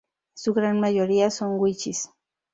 En su gran mayoría, son wichís.